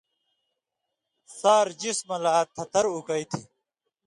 سار جِسمہ لا تھتر اُکی تھی